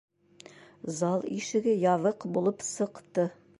Зал ишеге ябыҡ булып сыҡты.